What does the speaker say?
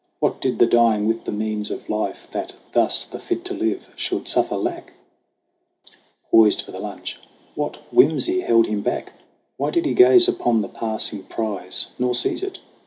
What did the dying with the means of life, That thus the fit to live should suffer lack ? Poised for the lunge, what whimsy held him back ? Why did he gaze upon the passing prize, Nor seize it